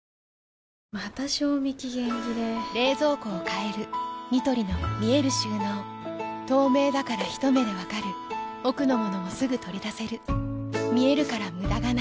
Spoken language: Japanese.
また賞味期限切れ冷蔵庫を変えるニトリの見える収納透明だからひと目で分かる奥の物もすぐ取り出せる見えるから無駄がないよし。